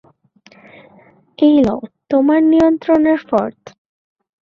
এই লও তোমার নিয়ন্ত্রণের ফর্দ।